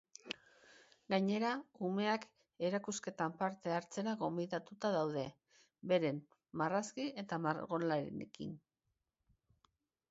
Gainera, umeak erakusketan parte hartzera gonbidatuta daude, beren marrazki eta margolanekin.